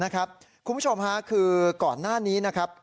คุณผู้ชมค่ะคือก่อนหน้านี้นะครับ